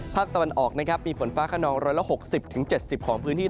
ภาคตะวันออกนะครับมีฝนฟ้าขนอง๑๖๐๗๐ของพื้นที่